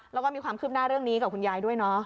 แล้วก็มีความคืบหน้าเรื่องนี้กับคุณยายด้วยเนาะ